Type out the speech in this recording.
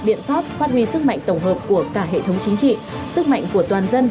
biện pháp phát huy sức mạnh tổng hợp của cả hệ thống chính trị sức mạnh của toàn dân